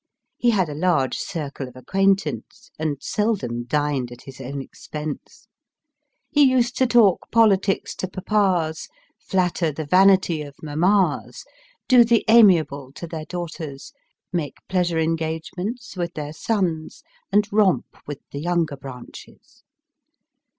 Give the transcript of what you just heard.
He had a large circle of acquaintance, and seldom dined at his own expense. He used to talk politics to papas, flatter the vanity of mammas, do the amiable to their daughters, make pleasure engagements with their sons, and romp with the younger branches.